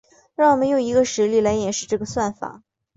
让我们用一个实例来演示这个算法。